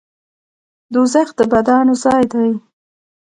دوزخ د بدانو ځای دی